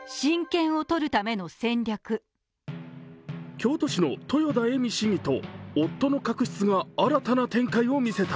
京都市の豊田恵美市議と夫の確執が新たな展開を見せた。